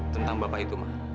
tentang bapak itu ma